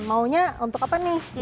maunya untuk apa nih